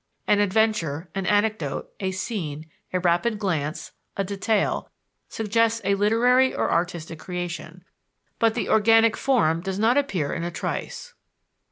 An adventure, an anecdote, a scene, a rapid glance, a detail, suggests a literary or artistic creation; but the organic form does not appear in a trice.